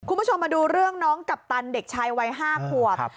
คุณผู้ชมมาดูเรื่องน้องกัปตันเด็กชายวัย๕ขวบ